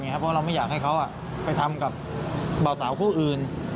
เพราะเราไม่อยากให้เขาไปทำกับเบาสาวคู่อื่น